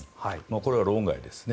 これは論外ですね。